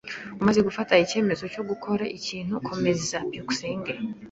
Umaze gufata icyemezo cyo gukora ikintu, komeza. byukusenge